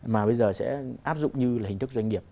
mà bây giờ sẽ áp dụng như là hình thức doanh nghiệp